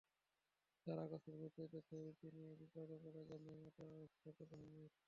তাঁর আকস্মিক মৃত্যুতে ছবিটি নিয়ে বিপাকে পড়ে যান নির্মাতা ছটকু আহমেদ।